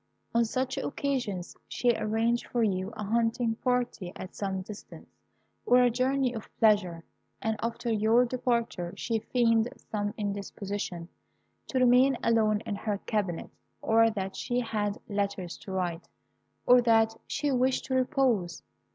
On such occasions, she arranged for you a hunting party at some distance, or a journey of pleasure, and after your departure she feigned some indisposition, to remain alone in her cabinet, or that she had letters to write, or that she wished to repose.